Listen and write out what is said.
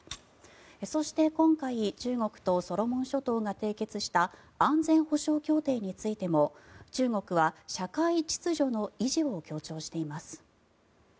そして、今回中国とソロモン諸島が締結した安全保障協定についても中国は社会秩序の維持を強調しています。